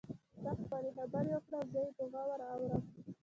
ته خپلې خبرې وکړه او زه يې په غور اورم.